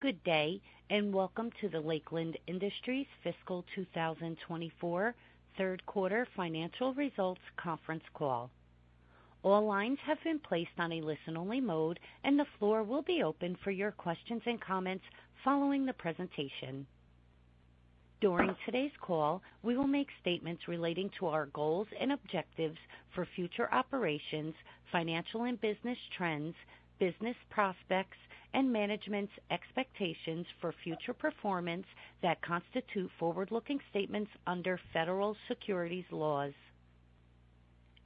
Good day, and welcome to the Lakeland Industries Fiscal 2024 Q3 Financial Results Conference Call. All lines have been placed on a listen-only mode, and the floor will be open for your questions and comments following the presentation. During today's call, we will make statements relating to our goals and objectives for future operations, financial and business trends, business prospects, and management's expectations for future performance that constitute forward-looking statements under federal securities laws.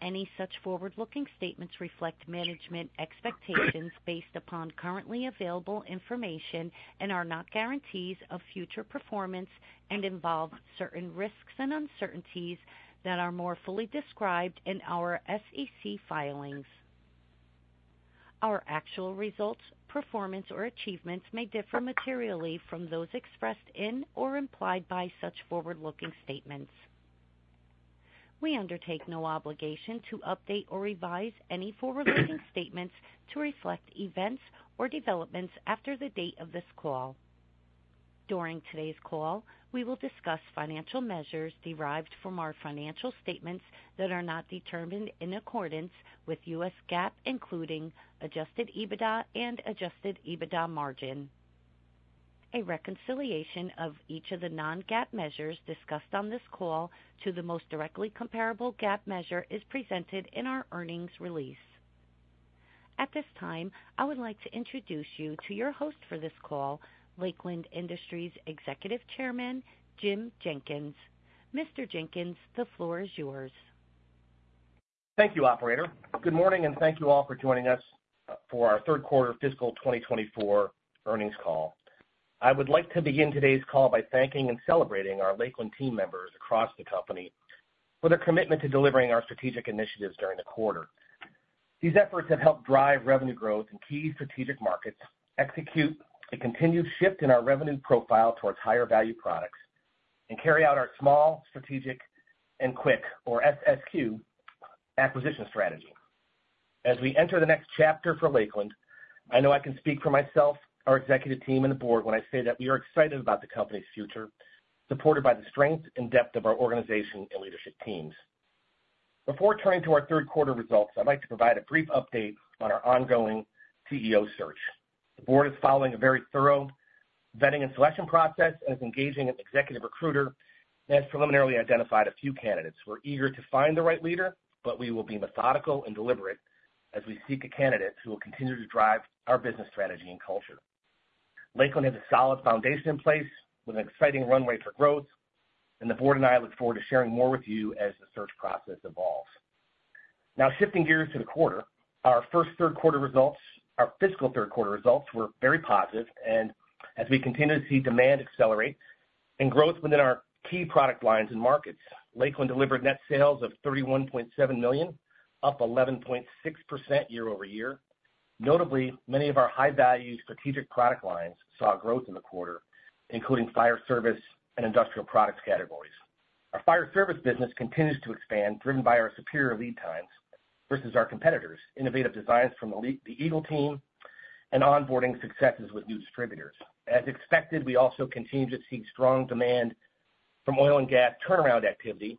Any such forward-looking statements reflect management expectations based upon currently available information and are not guarantees of future performance and involve certain risks and uncertainties that are more fully described in our SEC filings. Our actual results, performance, or achievements may differ materially from those expressed in or implied by such forward-looking statements. We undertake no obligation to update or revise any forward-looking statements to reflect events or developments after the date of this call. During today's call, we will discuss financial measures derived from our financial statements that are not determined in accordance with U.S. GAAP, including adjusted EBITDA and adjusted EBITDA margin. A reconciliation of each of the non-GAAP measures discussed on this call to the most directly comparable GAAP measure is presented in our earnings release. At this time, I would like to introduce you to your host for this call, Lakeland Industries Executive Chairman, Jim Jenkins. Mr. Jenkins, the floor is yours. Thank you, operator. Good morning, and thank you all for joining us for our Q3 Fiscal 2024 Earnings Call. I would like to begin today's call by thanking and celebrating our Lakeland team members across the company for their commitment to delivering our strategic initiatives during the quarter. These efforts have helped drive revenue growth in key strategic markets, execute a continued shift in our revenue profile towards higher-value products, and carry out our small, strategic, and quick, or SSQ, acquisition strategy. As we enter the next chapter for Lakeland, I know I can speak for myself, our executive team, and the board when I say that we are excited about the company's future, supported by the strength and depth of our organization and leadership teams. Before turning to our Q3 results, I'd like to provide a brief update on our ongoing CEO search. The board is following a very thorough vetting and selection process and is engaging an executive recruiter and has preliminarily identified a few candidates. We're eager to find the right leader, but we will be methodical and deliberate as we seek a candidate who will continue to drive our business strategy and culture. Lakeland has a solid foundation in place with an exciting runway for growth, and the board and I look forward to sharing more with you as the search process evolves. Now, shifting gears to the quarter, our fiscal Q3 results were very positive. As we continue to see demand accelerate and growth within our key product lines and markets, Lakeland delivered net sales of $31.7 million, up 11.6% year-over-year. Notably, many of our high-value strategic product lines saw growth in the quarter, including fire service and industrial products categories. Our fire service business continues to expand, driven by our superior lead times versus our competitors, innovative designs from the Eagle, the Eagle team, and onboarding successes with new distributors. As expected, we also continue to see strong demand from oil and gas turnaround activity,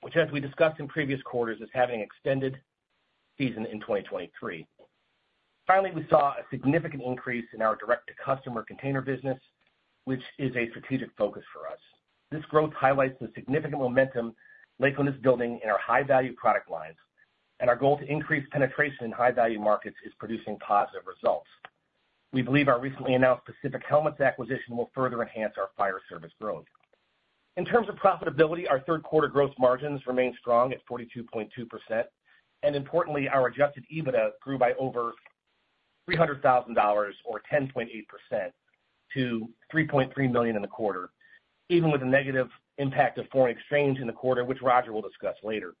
which, as we discussed in previous quarters, is having an extended season in 2023. Finally, we saw a significant increase in our direct-to-customer container business, which is a strategic focus for us. This growth highlights the significant momentum Lakeland is building in our high-value product lines, and our goal to increase penetration in high-value markets is producing positive results. We believe our recently announced Pacific Helmets acquisition will further enhance our fire service growth. In terms of profitability, our Q3 gross margins remained strong at 42.2%, and importantly, our Adjusted EBITDA grew by over $300,000, or 10.8%, to $3.3 million in the quarter, even with the negative impact of foreign exchange in the quarter, which Roger will discuss later.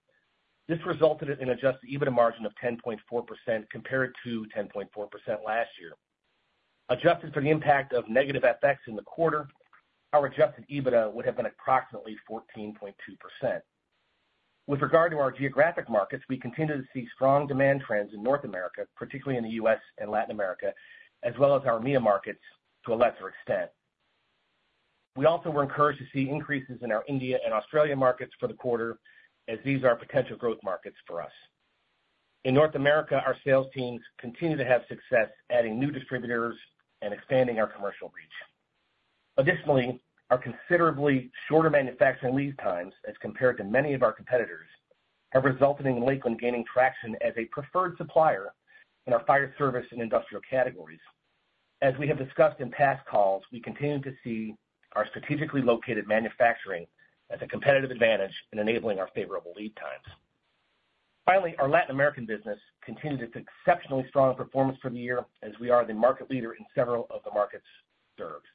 This resulted in an Adjusted EBITDA margin of 10.4% compared to 10.4% last year. Adjusted for the impact of negative FX in the quarter, our Adjusted EBITDA would have been approximately 14.2%. With regard to our geographic markets, we continue to see strong demand trends in North America, particularly in the U.S. and Latin America, as well as our EMEA markets to a lesser extent. We also were encouraged to see increases in our India and Australia markets for the quarter, as these are potential growth markets for us. In North America, our sales teams continue to have success adding new distributors and expanding our commercial reach. Additionally, our considerably shorter manufacturing lead times, as compared to many of our competitors, have resulted in Lakeland gaining traction as a preferred supplier in our fire service and industrial categories. As we have discussed in past calls, we continue to see our strategically located manufacturing as a competitive advantage in enabling our favorable lead times. Finally, our Latin American business continued its exceptionally strong performance for the year, as we are the market leader in several of the markets served.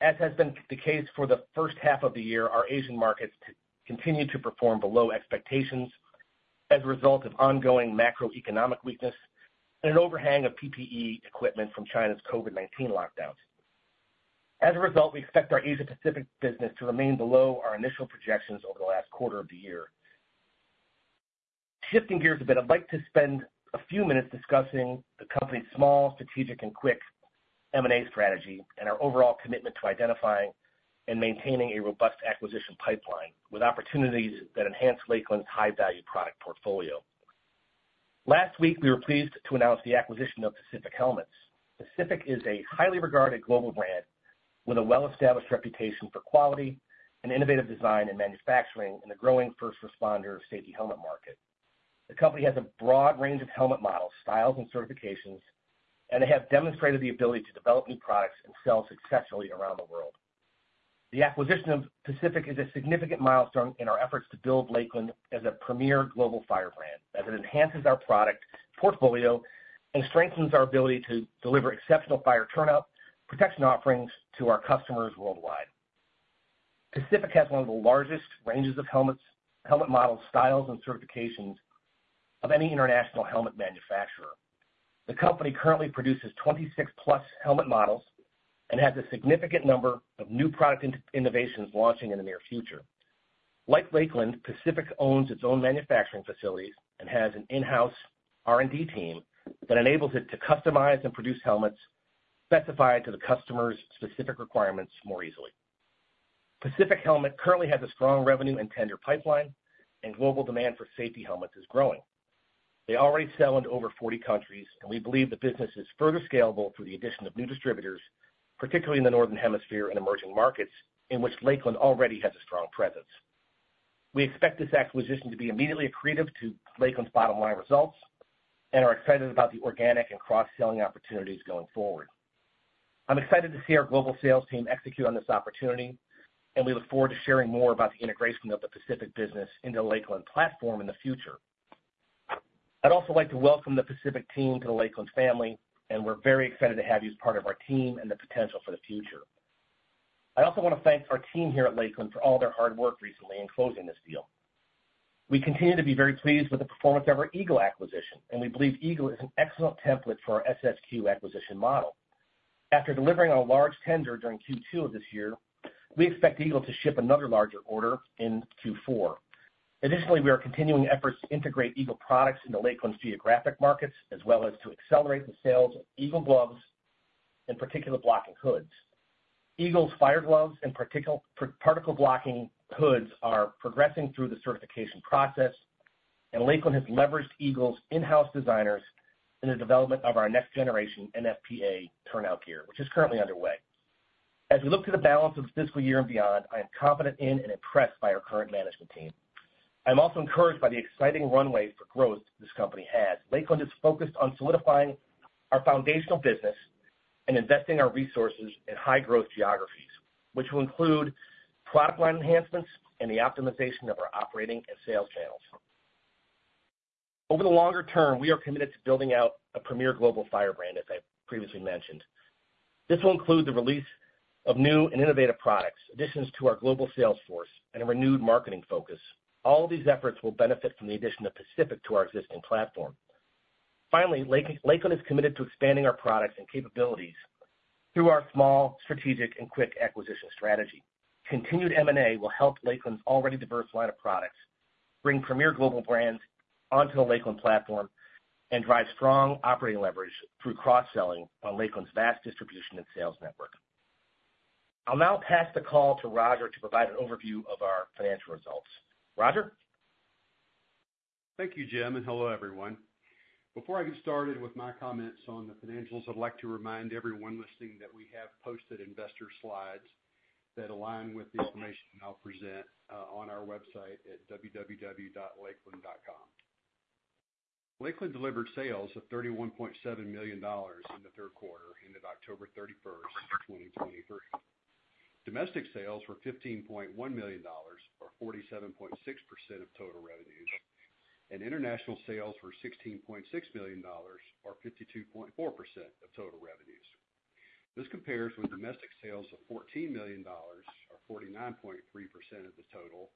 As has been the case for the first half of the year, our Asian markets continue to perform below expectations as a result of ongoing macroeconomic weakness and an overhang of PPE equipment from China's COVID-19 lockdowns. As a result, we expect our Asia Pacific business to remain below our initial projections over the last quarter of the year.... Shifting gears a bit, I'd like to spend a few minutes discussing the company's small, strategic and quick M&A strategy and our overall commitment to identifying and maintaining a robust acquisition pipeline with opportunities that enhance Lakeland's high-value product portfolio. Last week, we were pleased to announce the acquisition of Pacific Helmets. Pacific is a highly regarded global brand with a well-established reputation for quality and innovative design and manufacturing in the growing first responder safety helmet market. The company has a broad range of helmet models, styles and certifications, and they have demonstrated the ability to develop new products and sell successfully around the world. The acquisition of Pacific is a significant milestone in our efforts to build Lakeland as a premier global fire brand, as it enhances our product portfolio and strengthens our ability to deliver exceptional fire turnout protection offerings to our customers worldwide. Pacific has one of the largest ranges of helmets, helmet models, styles and certifications of any international helmet manufacturer. The company currently produces 26+ helmet models and has a significant number of new product innovations launching in the near future. Like Lakeland, Pacific owns its own manufacturing facilities and has an in-house R&D team that enables it to customize and produce helmets specified to the customer's specific requirements more easily. Pacific Helmets currently has a strong revenue and tender pipeline, and global demand for safety helmets is growing. They already sell into over 40 countries, and we believe the business is further scalable through the addition of new distributors, particularly in the Northern Hemisphere and emerging markets in which Lakeland already has a strong presence. We expect this acquisition to be immediately accretive to Lakeland's bottom line results and are excited about the organic and cross-selling opportunities going forward. I'm excited to see our global sales team execute on this opportunity, and we look forward to sharing more about the integration of the Pacific business into the Lakeland platform in the future. I'd also like to welcome the Pacific team to the Lakeland family, and we're very excited to have you as part of our team and the potential for the future. I also want to thank our team here at Lakeland for all their hard work recently in closing this deal. We continue to be very pleased with the performance of our Eagle acquisition, and we believe Eagle is an excellent template for our SSQ acquisition model. After delivering on a large tender during Q2 of this year, we expect Eagle to ship another larger order in Q4. Additionally, we are continuing efforts to integrate Eagle products into Lakeland's geographic markets, as well as to accelerate the sales of Eagle gloves and particle blocking hoods. Eagle's fire gloves and particle blocking hoods are progressing through the certification process, and Lakeland has leveraged Eagle's in-house designers in the development of our next generation NFPA turnout gear, which is currently underway. As we look to the balance of this fiscal year and beyond, I am confident in and impressed by our current management team. I'm also encouraged by the exciting runway for growth this company has. Lakeland is focused on solidifying our foundational business and investing our resources in high-growth geographies, which will include product line enhancements and the optimization of our operating and sales channels. Over the longer term, we are committed to building out a premier global fire brand, as I previously mentioned. This will include the release of new and innovative products, additions to our global sales force, and a renewed marketing focus. All these efforts will benefit from the addition of Pacific to our existing platform. Finally, Lakeland is committed to expanding our products and capabilities through our small, strategic and quick acquisition strategy. Continued M&A will help Lakeland's already diverse line of products, bring premier global brands onto the Lakeland platform, and drive strong operating leverage through cross-selling on Lakeland's vast distribution and sales network. I'll now pass the call to Roger to provide an overview of our financial results. Roger? Thank you, Jim, and hello, everyone. Before I get started with my comments on the financials, I'd like to remind everyone listening that we have posted investor slides that align with the information I'll present on our website at www.lakeland.com. Lakeland delivered sales of $31.7 million in the Q3, ended October 31, 2023. Domestic sales were $15.1 million, or 47.6% of total revenues, and international sales were $16.6 million, or 52.4% of total revenues. This compares with domestic sales of $14 million, or 49.3% of the total,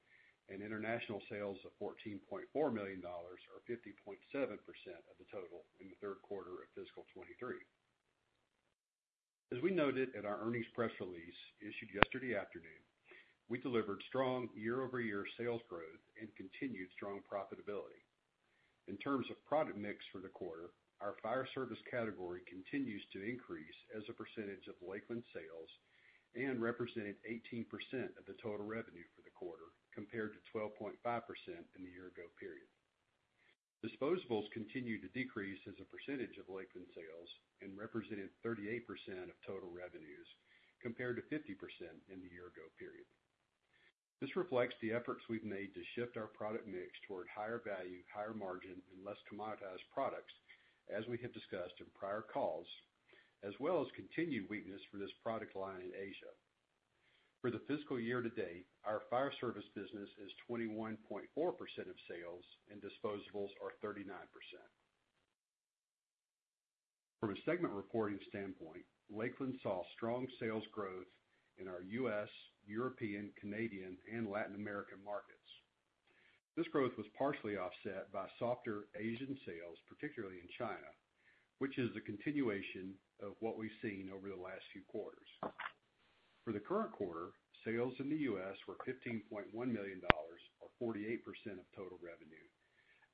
and international sales of $14.4 million, or 50.7% of the total in the Q3 of fiscal 2023. As we noted in our earnings press release issued yesterday afternoon, we delivered strong year-over-year sales growth and continued strong profitability. In terms of product mix for the quarter, our fire service category continues to increase as a percentage of Lakeland sales and represented 18% of the total revenue for the quarter, compared to 12.5% in the year ago period. Disposables continued to decrease as a percentage of Lakeland sales and represented 38% of total revenues, compared to 50% in the year ago period. This reflects the efforts we've made to shift our product mix toward higher value, higher margin, and less commoditized products, as we have discussed in prior calls, as well as continued weakness for this product line in Asia. For the fiscal year to date, our fire service business is 21.4% of sales, and disposables are 39%. From a segment reporting standpoint, Lakeland saw strong sales growth in our U.S., European, Canadian, and Latin American markets. This growth was partially offset by softer Asian sales, particularly in China, which is a continuation of what we've seen over the last few quarters. For the current quarter, sales in the U.S. were $15.1 million, or 48% of total revenue,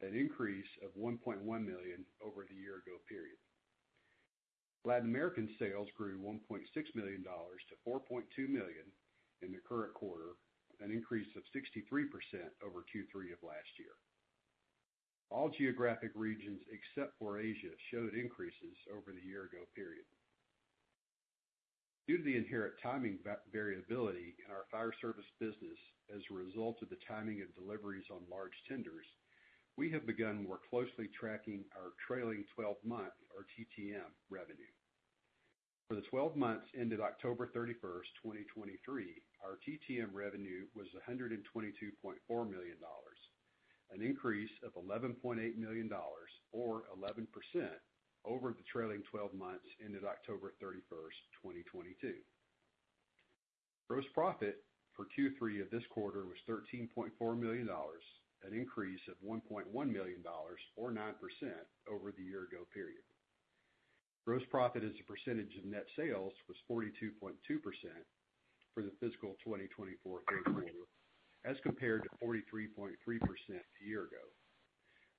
an increase of 1.1 million over the year ago period. Latin American sales grew $1.6 to 4.2 million in the current quarter, an increase of 63% over Q3 of last year. All geographic regions except for Asia showed increases over the year ago period. Due to the inherent timing variability in our fire service business as a result of the timing of deliveries on large tenders, we have begun more closely tracking our trailing twelve-month, or TTM, revenue. For the twelve months ended October 31st, 2023, our TTM revenue was $122.4 million, an increase of $11.8 million or 11% over the trailing twelve months ended October 31st, 2022. Gross profit for Q3 of this quarter was $13.4 million, an increase of $1.1 million or 9% over the year ago period. Gross profit as a percentage of net sales was 42.2% for the fiscal 2024 fiscal year, as compared to 43.3% a year ago.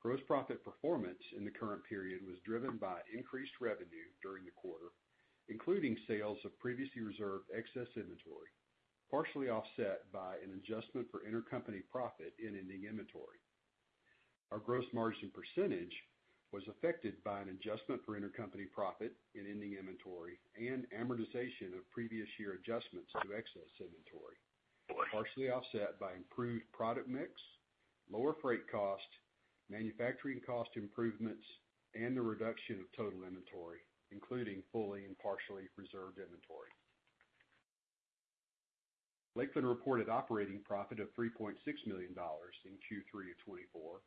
Gross profit performance in the current period was driven by increased revenue during the quarter, including sales of previously reserved excess inventory, partially offset by an adjustment for intercompany profit in ending inventory. Our gross margin percentage was affected by an adjustment for intercompany profit in ending inventory and amortization of previous year adjustments to excess inventory, partially offset by improved product mix, lower freight cost, manufacturing cost improvements, and the reduction of total inventory, including fully and partially reserved inventory. Lakeland reported operating profit of $3.6 in Q3 of 2024,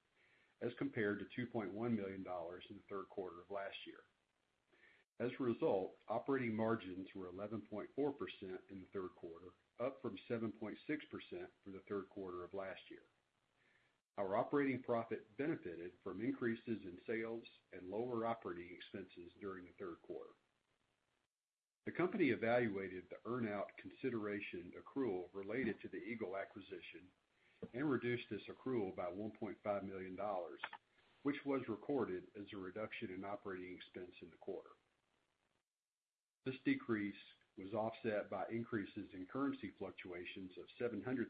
as compared to 2.1 million in the Q3 of last year. As a result, operating margins were 11.4% in the Q3, up from 7.6% for the Q3 of last year. Our operating profit benefited from increases in sales and lower operating expenses during the Q3. The company evaluated the earn-out consideration accrual related to the Eagle acquisition and reduced this accrual by $1.5 million, which was recorded as a reduction in operating expense in the quarter. This decrease was offset by increases in currency fluctuations of $700,000,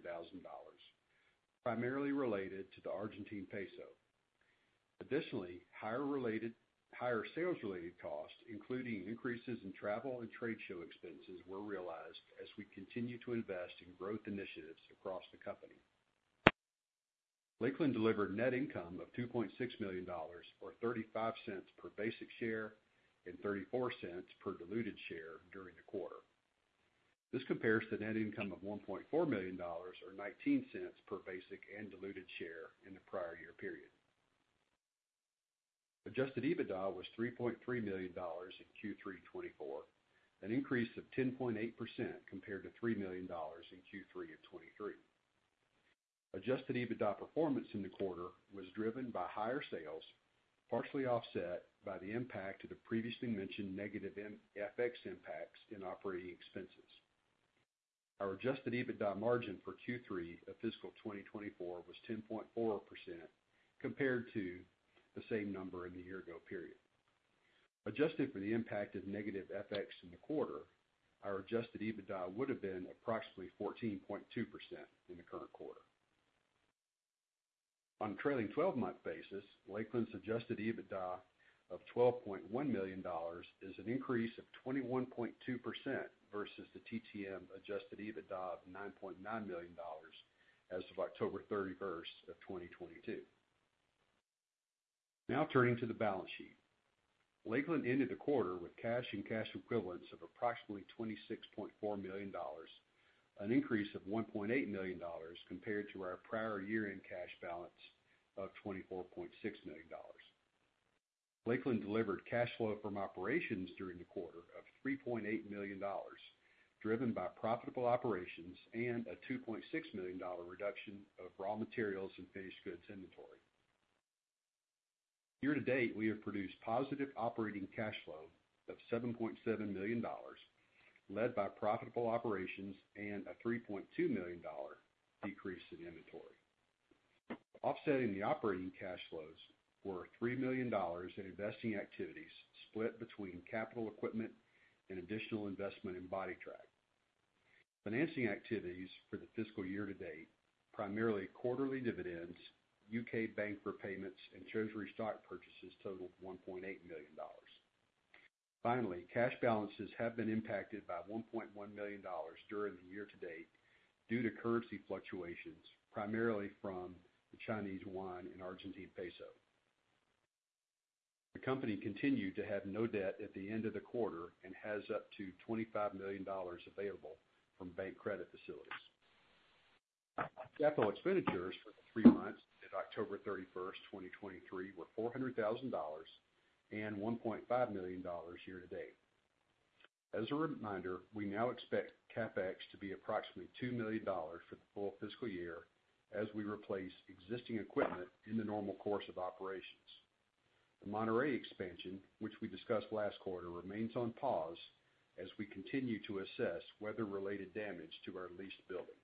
primarily related to the Argentine peso. Additionally, higher sales-related costs, including increases in travel and trade show expenses, were realized as we continue to invest in growth initiatives across the company. Lakeland delivered net income of $2.6 million, or 0.35 per basic share and 0.34 per diluted share during the quarter. This compares to net income of $1.4 million, or 0.19 per basic and diluted share in the prior year period. Adjusted EBITDA was $3.3 million in Q3 2024, an increase of 10.8% compared to $3 million in Q3 of 2023. Adjusted EBITDA performance in the quarter was driven by higher sales, partially offset by the impact of the previously mentioned negative FX impacts in operating expenses. Our adjusted EBITDA margin for Q3 of fiscal 2024 was 10.4% compared to the same number in the year ago period. Adjusted for the impact of negative FX in the quarter, our adjusted EBITDA would have been approximately 14.2% in the current quarter. On a trailing twelve-month basis, Lakeland's adjusted EBITDA of $12.1 million is an increase of 21.2% versus the TTM Adjusted EBITDA of $9.9 million as of October 31, 2022. Now turning to the balance sheet. Lakeland ended the quarter with cash and cash equivalents of approximately $26.4 an increase of 1.8 million compared to our prior year-end cash balance of $24.6 million. Lakeland delivered cash flow from operations during the quarter of $3.8 million, driven by profitable operations and a $2.6 million dollar reduction of raw materials and finished goods inventory. Year to date, we have produced positive operating cash flow of $7.7 million, led by profitable operations and a $3.2 million dollar decrease in inventory. Offsetting the operating cash flows were $3 million in investing activities, split between capital equipment and additional investment in Bodytrak. Financing activities for the fiscal year to date, primarily quarterly dividends, U.K. bank repayments, and treasury stock purchases totaled $1.8 million. Finally, cash balances have been impacted by $1.1 million during the year to date due to currency fluctuations, primarily from the Chinese yuan and Argentine peso. The company continued to have no debt at the end of the quarter and has up to $25 million available from bank credit facilities. Capital expenditures for the three months ended October 31, 2023, were $400,000 and 1.5 million year to date. As a reminder, we now expect CapEx to be approximately $2 million for the full fiscal year as we replace existing equipment in the normal course of operations. The Monterrey expansion, which we discussed last quarter, remains on pause as we continue to assess weather-related damage to our leased building.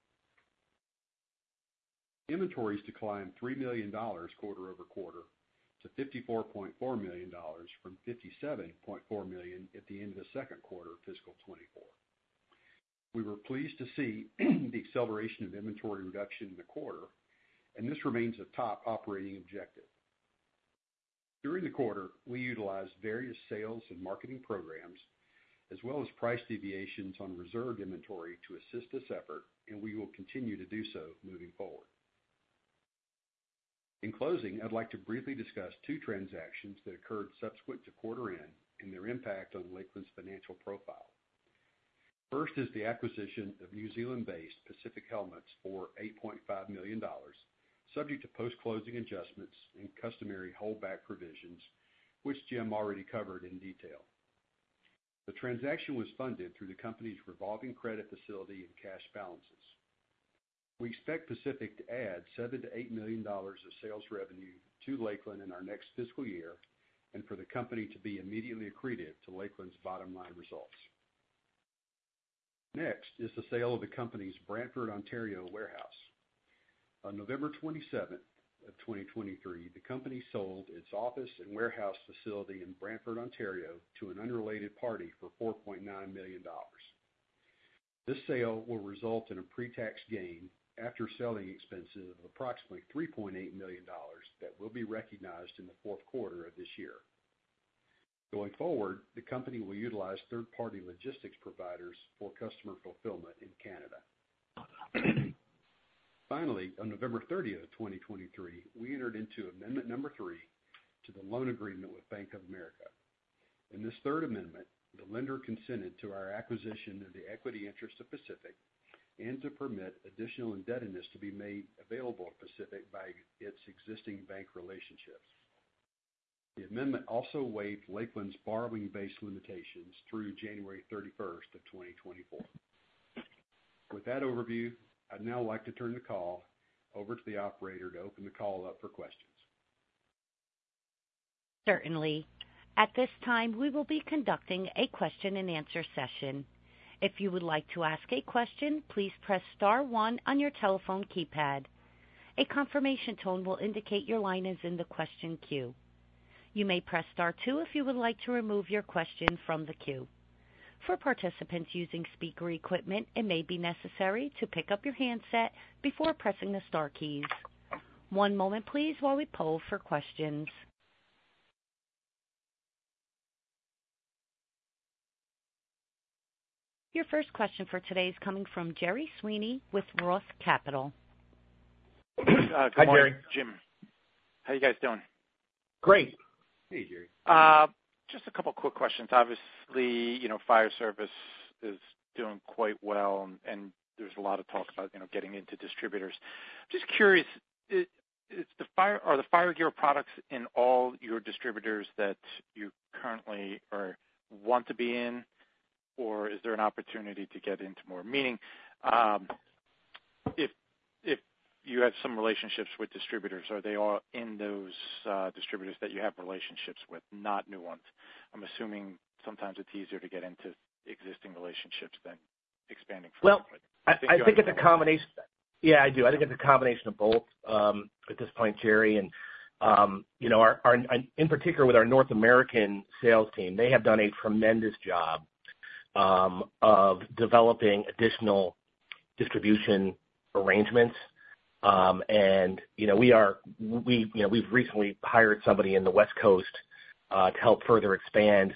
Inventories declined $3 million quarter over quarter to $54.4 from 57.4 million at the end of the second quarter of fiscal 2024. We were pleased to see the acceleration of inventory reduction in the quarter, and this remains a top operating objective. During the quarter, we utilized various sales and marketing programs, as well as price deviations on reserved inventory to assist this effort, and we will continue to do so moving forward. In closing, I'd like to briefly discuss two transactions that occurred subsequent to quarter end and their impact on Lakeland's financial profile. First is the acquisition of New Zealand-based Pacific Helmets for $8.5 million, subject to post-closing adjustments and customary holdback provisions, which Jim already covered in detail. The transaction was funded through the company's revolving credit facility and cash balances. We expect Pacific to add $7-8 million of sales revenue to Lakeland in our next fiscal year, and for the company to be immediately accretive to Lakeland's bottom line results. Next is the sale of the company's Brantford, Ontario, warehouse. On 27 November 2023, the company sold its office and warehouse facility in Brantford, Ontario, to an unrelated party for $4.9 million. This sale will result in a pretax gain after selling expenses of approximately $3.8 million that will be recognized in the Q4 of this year. Going forward, the company will utilize third-party logistics providers for customer fulfillment in Canada. Finally, on 30 November, 2023, we entered into amendment number three to the loan agreement with Bank of America. In this third amendment, the lender consented to our acquisition of the equity interest of Pacific and to permit additional indebtedness to be made available to Pacific by its existing bank relationships. The amendment also waived Lakeland's borrowing base limitations through January 31, 2024. With that overview, I'd now like to turn the call over to the operator to open the call up for questions. Certainly. At this time, we will be conducting a question-and-answer session. If you would like to ask a question, please press star one on your telephone keypad. A confirmation tone will indicate your line is in the question queue. You may press star two if you would like to remove your question from the queue. For participants using speaker equipment, it may be necessary to pick up your handset before pressing the star keys. One moment, please, while we poll for questions. Your first question for today is coming from Gerry Sweeney with Roth Capital. Hi, Gerry. Jim, how are you guys doing? Great. Hey, Gerry. Just a couple quick questions. Obviously, you know, fire service is doing quite well, and there's a lot of talk about, you know, getting into distributors. Just curious, is the fire gear products in all your distributors that you currently or want to be in, or is there an opportunity to get into more? Meaning, if you have some relationships with distributors, are they all in those distributors that you have relationships with, not new ones? I'm assuming sometimes it's easier to get into existing relationships than expanding from- Well, I think it's a combination. Yeah, I do. I think it's a combination of both, at this point, Jerry, and, you know, our, and in particular with our North American sales team, they have done a tremendous job, of developing additional distribution arrangements. And, you know, we, you know, we've recently hired somebody in the West Coast, to help further expand,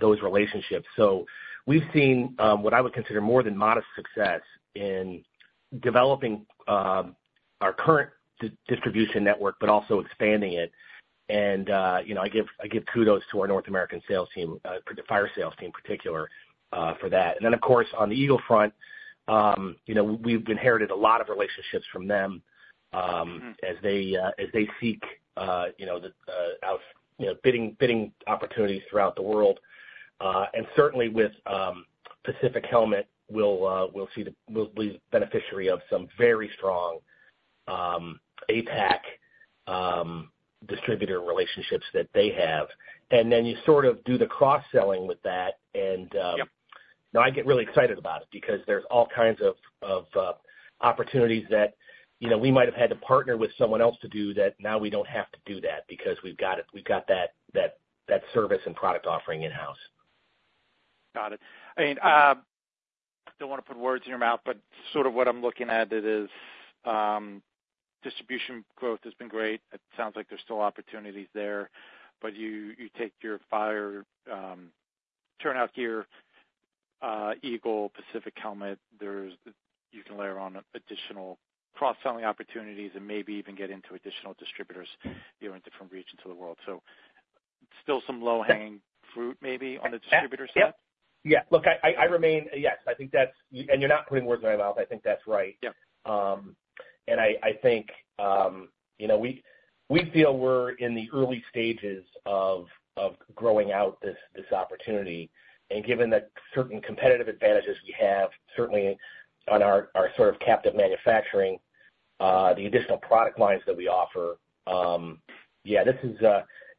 those relationships. So we've seen, what I would consider more than modest success in developing, our current distribution network, but also expanding it. And, you know, I give kudos to our North American sales team, for the fire sales team in particular, for that. And then, of course, on the Eagle front, you know, we've inherited a lot of relationships from them. Mm-hmm... as they seek, you know, the outbidding opportunities throughout the world. And certainly with Pacific Helmets, we'll be beneficiary of some very strong APAC distributor relationships that they have. And then you sort of do the cross-selling with that and Yep. Now I get really excited about it because there's all kinds of of opportunities that, you know, we might have had to partner with someone else to do that. Now, we don't have to do that because we've got it, we've got that that that service and product offering in-house. Got it. And, don't want to put words in your mouth, but sort of what I'm looking at it is, distribution growth has been great. It sounds like there's still opportunities there, but you take your fire turnout gear, Eagle, Pacific Helmets, there's—you can layer on additional cross-selling opportunities and maybe even get into additional distributors, you know, in different regions of the world. So still some low-hanging- Yeah fruit, maybe, on the distributor side? Yep. Yeah, look, I remain... Yes, I think that's - and you're not putting words in my mouth. I think that's right. Yep. I think, you know, we feel we're in the early stages of-... growing out this opportunity, and given that certain competitive advantages we have, certainly on our sort of captive manufacturing, the additional product lines that we offer, yeah, this is,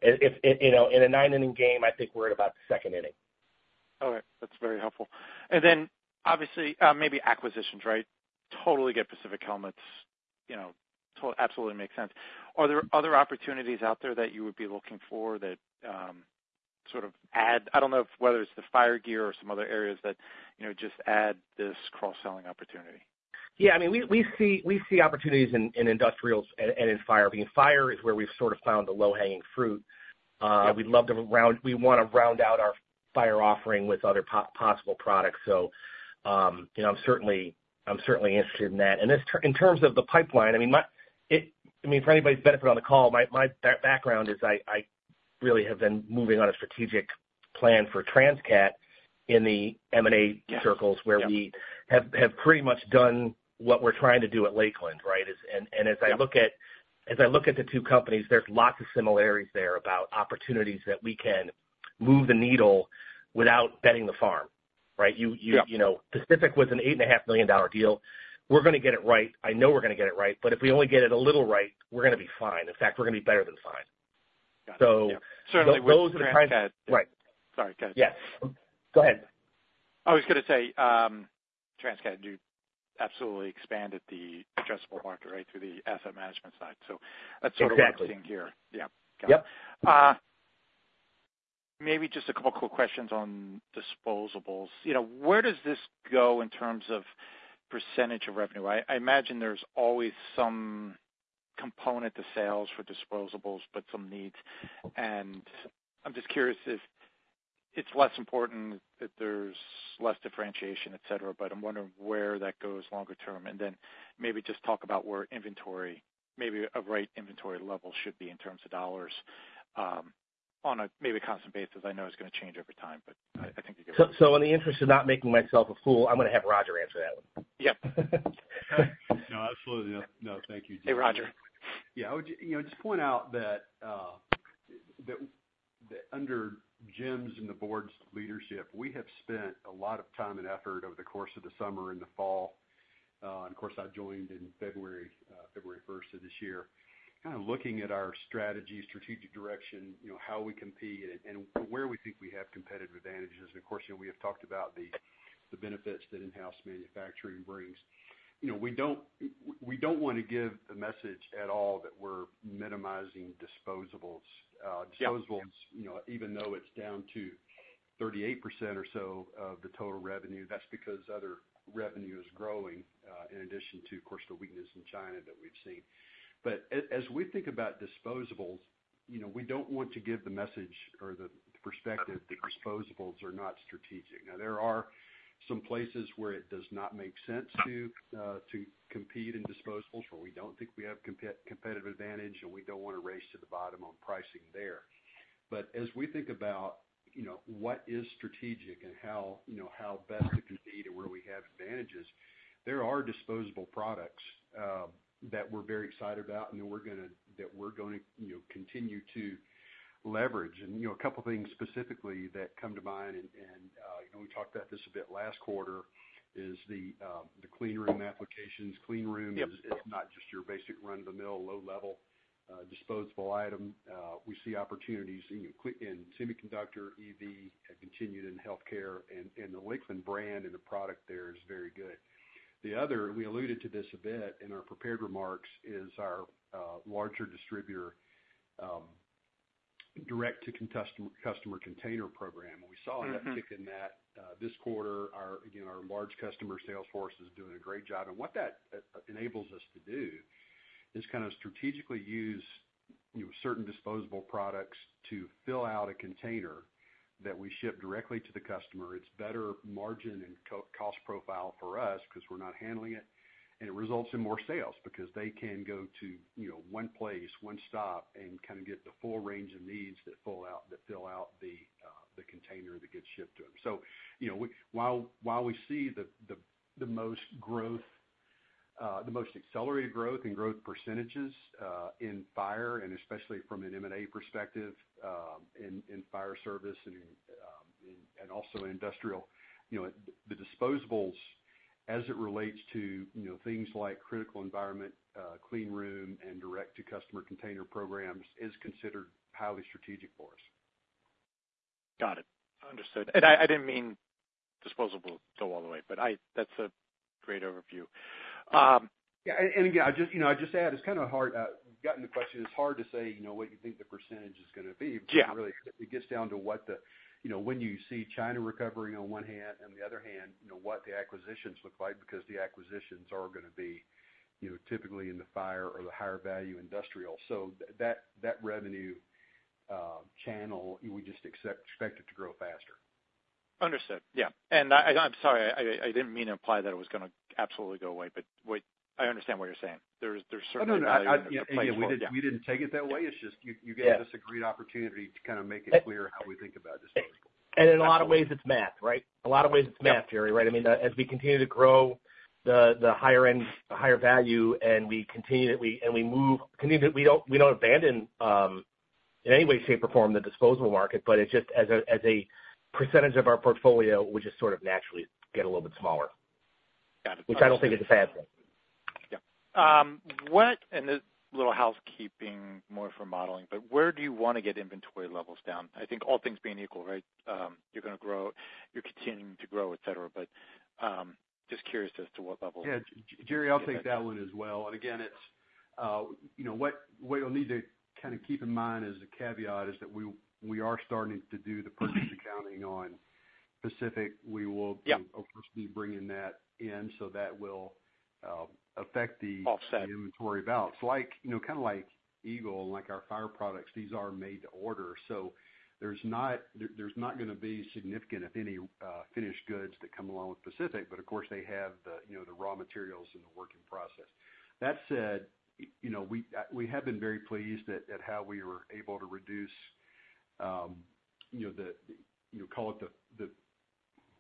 if, you know, in a nine-inning game, I think we're at about the second inning. Okay, that's very helpful. And then, obviously, maybe acquisitions, right? Totally get Pacific Helmets, you know, absolutely makes sense. Are there other opportunities out there that you would be looking for that, sort of add, I don't know if whether it's the fire gear or some other areas that, you know, just add this cross-selling opportunity? Yeah, I mean, we see opportunities in industrials and in fire. I mean, fire is where we've sort of found the low-hanging fruit. Yeah. We'd love to round out our fire offering with other possible products. So, you know, I'm certainly interested in that. And this, in terms of the pipeline, I mean, for anybody's benefit on the call, my background is I really have been moving on a strategic plan for Transcat in the M&A circles. Yeah. -where we have pretty much done what we're trying to do at Lakeland, right? And as I look at- Yeah. As I look at the two companies, there's lots of similarities there about opportunities that we can move the needle without betting the farm, right? You, you- Yeah. You know, Pacific was an $8.5 million deal. We're gonna get it right. I know we're gonna get it right, but if we only get it a little right, we're gonna be fine. In fact, we're gonna be better than fine. Got it. So- Yeah. Those are the price- Certainly with Transcat. Right. Sorry, go ahead. Yes. Go ahead. I was gonna say, Transcat, you absolutely expanded the addressable market, right, through the asset management side. So that's sort of- Exactly. -what we're seeing here. Yeah. Yep. Maybe just a couple quick questions on disposables. You know, where does this go in terms of percentage of revenue? I imagine there's always some component to sales for disposables, but some needs. And I'm just curious if it's less important, that there's less differentiation, et cetera, et cetera, but I'm wondering where that goes longer term. And then maybe just talk about where inventory, maybe a right inventory level should be in terms of dollars, on a maybe constant basis. I know it's gonna change over time, but I think you get what I'm- So, in the interest of not making myself a fool, I'm gonna have Roger answer that one. Yep. No, absolutely. No, no, thank you. Hey, Roger. Yeah, I would, you know, just point out that under Jim's and the board's leadership, we have spent a lot of time and effort over the course of the summer and the fall, and of course, I joined in February, February first of this year, kind of looking at our strategy, strategic direction, you know, how we compete and where we think we have competitive advantages. And of course, you know, we have talked about the benefits that in-house manufacturing brings. You know, we don't, we, we don't want to give the message at all that we're minimizing disposables. Yeah. Disposables, you know, even though it's down to 38% or so of the total revenue, that's because other revenue is growing, in addition to, of course, the weakness in China that we've seen. But as we think about disposables, you know, we don't want to give the message or the perspective that disposables are not strategic. Now, there are some places where it does not make sense to compete in disposables, where we don't think we have competitive advantage, and we don't want to race to the bottom on pricing there. But as we think about, you know, what is strategic and how, you know, how best to compete and where we have advantages, there are disposable products that we're very excited about and that we're gonna, that we're going to, you know, continue to leverage. You know, a couple things specifically that come to mind, and you know, we talked about this a bit last quarter is the cleanroom applications. Clean room- Yep... is not just your basic run-of-the-mill, low-level, disposable item. We see opportunities in semiconductor, EV, and continued in healthcare, and the Lakeland brand and the product there is very good. The other, we alluded to this a bit in our prepared remarks, is our larger distributor direct to customer container program. Mm-hmm. We saw an uptick in that this quarter. Our, you know, our large customer sales force is doing a great job. What that enables us to do is kind of strategically use, you know, certain disposable products to fill out a container that we ship directly to the customer. It's better margin and cost profile for us 'cause we're not handling it, and it results in more sales because they can go to, you know, one place, one stop, and kind of get the full range of needs that fill out the container that gets shipped to them. So, you know, while we see the most growth, the most accelerated growth and growth percentages in fire, and especially from an M&A perspective, in fire service and also in industrial, you know, the disposables, as it relates to, you know, things like critical environment, clean room, and direct-to-customer container programs, is considered highly strategic for us. Got it. Understood. And I didn't mean disposables go all the way, but I—that's a great overview. Yeah, and again, I just, you know, I just add, it's kind of hard, given the question, it's hard to say, you know, what you think the percentage is gonna be. Yeah. Really, it gets down to what the, you know, when you see China recovering on one hand, and the other hand, you know, what the acquisitions look like, because the acquisitions are gonna be, you know, typically in the fire or the higher-value industrial. So that, that revenue channel, we just expect it to grow faster. Understood. Yeah, and I'm sorry. I didn't mean to imply that it was gonna absolutely go away, but what... I understand what you're saying. There's certainly- No, no, yeah, we didn't take it that way. It's just you, you- Yeah... gave us a great opportunity to kind of make it clear how we think about disposables. ...In a lot of ways, it's math, right? In a lot of ways it's math, Jerry, right? I mean, as we continue to grow the higher end, the higher value, and we continue to move—we don't abandon in any way, shape, or form, the disposable market, but it's just as a percentage of our portfolio, we just sort of naturally get a little bit smaller. Got it. Which I don't think is a bad thing. Yeah. What, and this is a little housekeeping, more for modeling, but where do you want to get inventory levels down? I think all things being equal, right? You're gonna grow, you're continuing to grow, et cetera. But, just curious as to what level. Yeah, Jerry, I'll take that one as well. And again, it's, you know, what you'll need to kind of keep in mind as a caveat is that we are starting to do the purchase accounting on Pacific. Yeah. We will, of course, be bringing that in, so that will affect the- Offset. -inventory balance. Like, you know, kind of like Eagle and like our fire products, these are made to order, so there's not gonna be significant, if any, finished goods that come along with Pacific, but of course, they have the, you know, the raw materials and the working process. That said, you know, we have been very pleased at how we were able to reduce, you know, the, you call it the,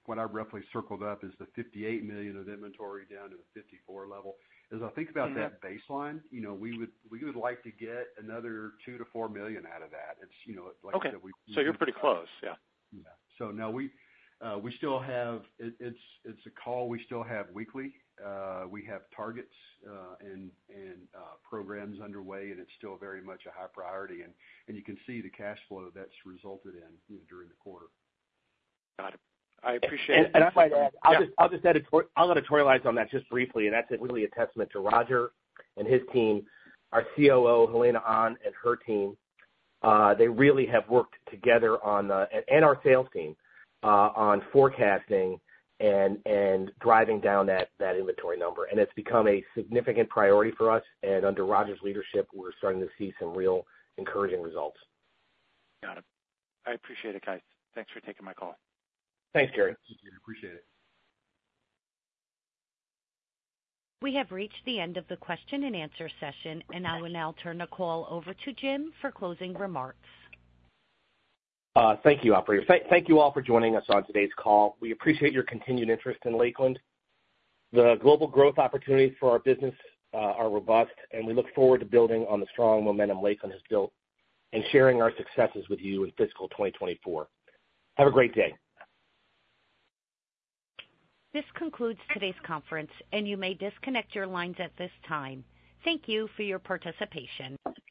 what I roughly circled up is the $58 million of inventory down to the 54 million level. As I think about that baseline, you know, we would like to get another $2 -4 million out of that. It's, you know, like I said, we- Okay. So you're pretty close? Yeah. Yeah. So now we still have it. It's a call we still have weekly. We have targets and programs underway, and it's still very much a high priority, and you can see the cash flow that's resulted in, you know, during the quarter. Got it. I appreciate it. And if I may, I'll just editorialize on that just briefly, and that's really a testament to Roger and his team, our COO, Helena An, and her team. They really have worked together, and our sales team, on forecasting and driving down that inventory number. And it's become a significant priority for us, and under Roger's leadership, we're starting to see some real encouraging results. Got it. I appreciate it, guys. Thanks for taking my call. Thanks, Gerry. Thank you. Appreciate it. We have reached the end of the question and answer session, and I will now turn the call over to Jim for closing remarks. Thank you, operator. Thank you all for joining us on today's call. We appreciate your continued interest in Lakeland. The global growth opportunities for our business are robust, and we look forward to building on the strong momentum Lakeland has built and sharing our successes with you in fiscal 2024. Have a great day. This concludes today's conference, and you may disconnect your lines at this time. Thank you for your participation.